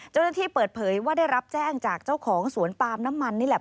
เจ้าหน้าที่เปิดเผยว่าได้รับแจ้งจากเจ้าของสวนปาล์มน้ำมันนี่แหละ